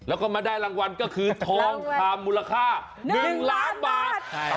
แล้วก็มาได้รางวัลก็คือทองคำมูลค่า๑ล้านบาท